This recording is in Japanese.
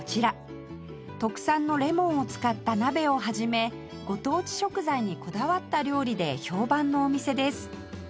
特産のレモンを使った鍋を始めご当地食材にこだわった料理で評判のお店です